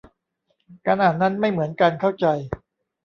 การอ่านนั้นไม่เหมือนการเข้าใจ